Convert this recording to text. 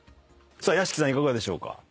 屋敷さんいかがでしょうか？